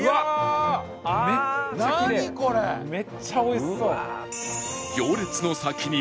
めっちゃおいしそう！